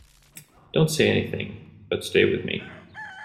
Don’t say anything; but stay with me.